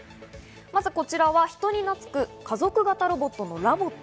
まずこちらは人になつく家族型ロボットのＬＯＶＯＴ。